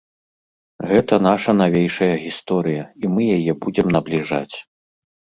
Гэта наша навейшая гісторыя, і мы яе будзем набліжаць.